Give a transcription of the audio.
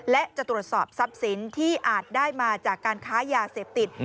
และจะตรวจสอบทรัพย์สินที่อาจได้มาจากการค้ายาเสพติด